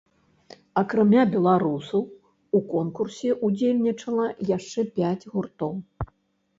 Акрамя беларусаў у конкурсе ўдзельнічала яшчэ пяць гуртоў.